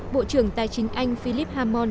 bộ trưởng tài chính anh philip hamon